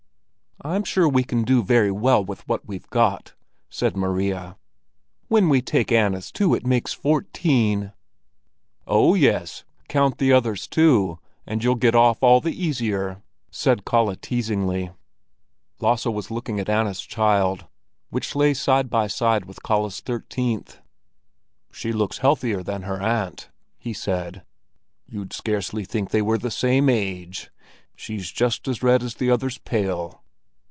"I'm sure we can do very well with what we've got," said Maria. "When we take Anna's too, it makes fourteen." "Oh, yes, count the others too, and you'll get off all the easier!" said Kalle teasingly. Lasse was looking at Anna's child, which lay side by side with Kalle's thirteenth. "She looks healthier than her aunt," he said. "You'd scarcely think they were the same age. She's just as red as the other's pale."